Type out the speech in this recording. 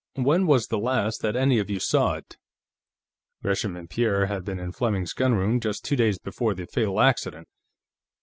When was the last that any of you saw it?" Gresham and Pierre had been in Fleming's gunroom just two days before the fatal "accident."